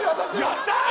やったー！